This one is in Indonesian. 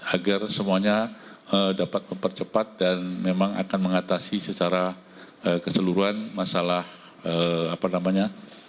agar semuanya dapat mempercepat dan memang akan mengatasi secara keseluruhan masalah apa namanya